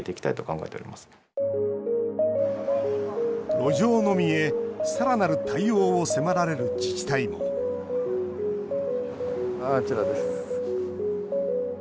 路上飲みへ、さらなる対応を迫られる自治体もあちらです。